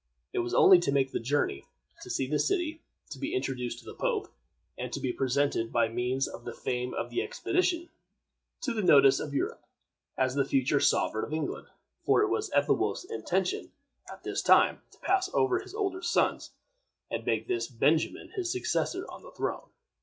It was only to make the journey, to see the city, to be introduced to the pope, and to be presented, by means of the fame of the expedition, to the notice of Europe, as the future sovereign of England; for it was Ethelwolf's intention, at this time, to pass over his older sons, and make this Benjamin his successor on the throne.